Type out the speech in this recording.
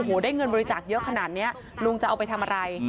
โอ้โหได้เงินบริจาคเยอะขนาดนี้ลุงจะเอาไปทำอะไร